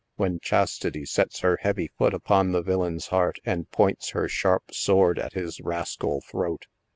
when Chastity sets her heavy foot upon the villain's heart and points her sharp sword at his rascal throat.